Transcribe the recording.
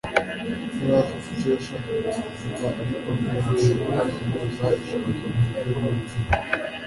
yari afite icyo yashakaga kuvuga. Ariko, ntashobora guhuza ijambo muburyo bumwe.